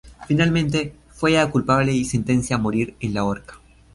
Finalmente, fue hallada culpable y sentencia a morir en la horca.